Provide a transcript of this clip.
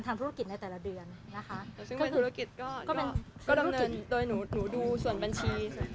ส่วนบัญชี